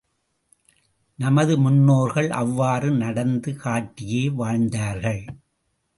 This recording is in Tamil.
நமது முன்னோர்கள் அவ்வாறு நடந்து காட்டியே வாழ்ந்தார்கள்.